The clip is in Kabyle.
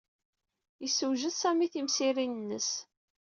Yessewjed Sami timsirin-nnes.